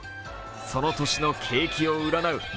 その年の景気を占う